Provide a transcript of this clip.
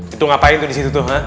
itu ngapain tuh disitu tuh